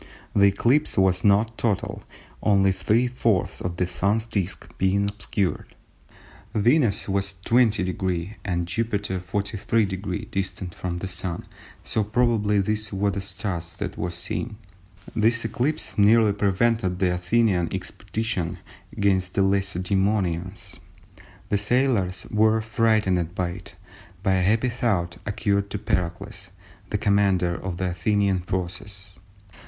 The eclipse was not total only three fourths of the Sun's disc being obscured. Venus was 20° and Jupiter 43° distant from the Sun, so probably these were the "stars" that were seen. This eclipse nearly prevented the Athenian expedition against the Lacedæmonians. The sailors were frightened by it, but a happy thought occurred to Pericles, the commander of the Athenian forces.